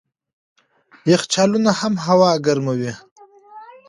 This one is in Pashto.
یخچالونه هم هوا ګرموي.